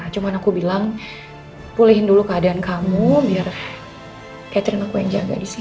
cuma aku bilang pulihin dulu keadaan kamu biar catering aku yang jaga di sini